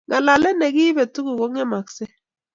ngalalet ak keibe tuguk kongemakse